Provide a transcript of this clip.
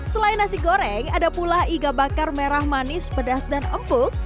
selain nasi goreng ada pula iga bakar merah manis pedas dan empuk